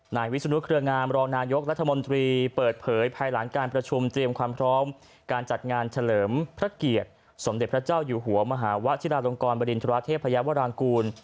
นายวิศนุเครืองามรองนายกรัฐมนตรีเปิดเผยภายหลังการประชุมเตรียมความพร้อมการจัดงานเฉลิมพระเกียรติสมเด็จพระเจ้าอยู่หัวมหาวะชิราลงกรบริณฑราเทพยาวรางกูล